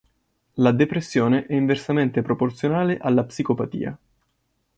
La depressione è inversamente proporzionale alla psicopatia.